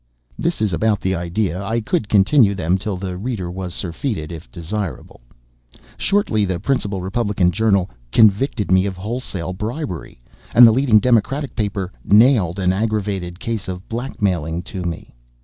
This is about the idea. I could continue them till the reader was surfeited, if desirable. Shortly the principal Republican journal "convicted" me of wholesale bribery, and the leading Democratic paper "nailed" an aggravated case of blackmailing to me.